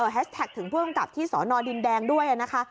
แท็กถึงผู้กำกับที่สอนอดินแดงด้วยนะคะ